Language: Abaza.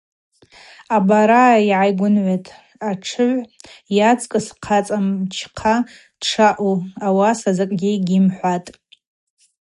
Абараъа йгӏайгвынгӏвытӏ атшыгӏв йацкӏыс хъацӏа мчхъа дшаъу, ауаса закӏгьи гьйымхӏватӏ.